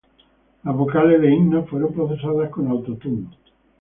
Las vocales de Inna fueron procesadas con Auto-Tune.